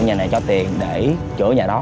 nhà này cho tiền để chữa nhà đó